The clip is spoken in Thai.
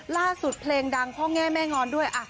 ล่าสุดเพลงดังเพราะแง่แม่งอนด้วย